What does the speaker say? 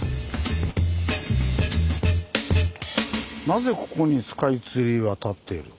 「なぜここにスカイツリーは立っている？」。